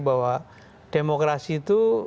bahwa demokrasi itu